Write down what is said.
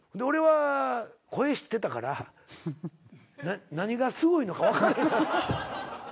俺は声知ってたから何がすごいのか分かれへん。